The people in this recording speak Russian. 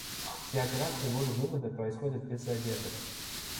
Все операции ввода-вывода происходят без задержек